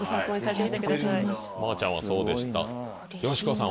まーちゃんはそうでしたよしこさん